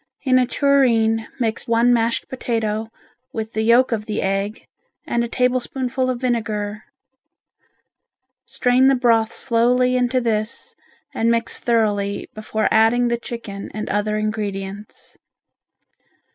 In a tureen mix one mashed potato with the yolk of the egg and a tablespoonful of vinegar. Strain the broth slowly into this and mix thoroughly before adding the chicken and other ingredients.